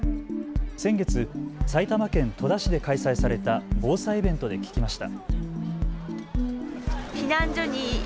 先月、埼玉県戸田市で開催された防災イベントで聞きました。